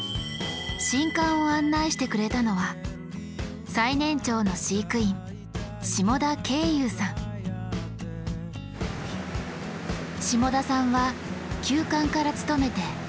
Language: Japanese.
新館を案内してくれたのは最年長の下田さんは旧館から勤めて３２年。